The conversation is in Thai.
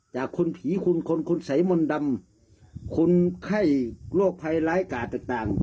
จากคนผีคนคนคนใสมนต์ดำคนไข้โรคร้ายร้ายกาตต่าง